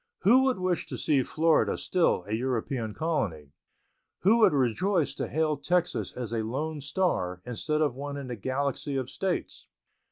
Who would wish to see Florida still a European colony? Who would rejoice to hail Texas as a lone star instead of one in the galaxy of States?